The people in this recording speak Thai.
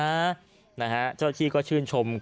จ้ะที่ก็ชื่นชมคุณป่าพรด้วยคุณป้าแข็งแดงจริงทนานคะ